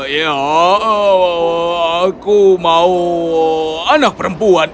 ya aku mau anak perempuan